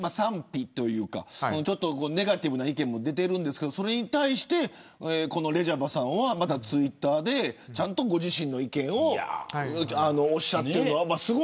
ネガティブな意見も出ていますが、それに対してレジャバさんはツイッターでご自身の意見をおっしゃっている。